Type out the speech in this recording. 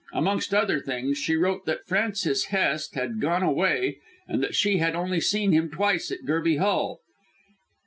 Amongst other things, she wrote that Francis Hest had gone away and that she had only seen him twice at Gerby Hall.